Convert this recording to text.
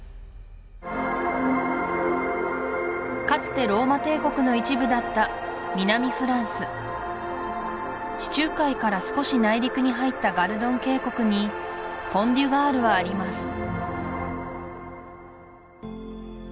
かつてローマ帝国の一部だった南フランス地中海から少し内陸に入ったガルドン渓谷にポン・デュ・ガールはあります